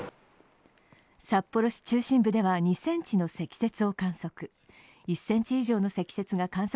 札幌市中心部では、２ｃｍの積雪を観測。